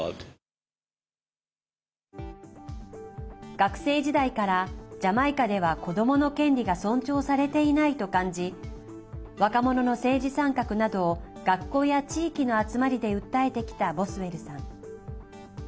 学生時代からジャマイカでは子どもの権利が尊重されていないと感じ若者の政治参画などを学校や地域の集まりで訴えてきたボスウェルさん。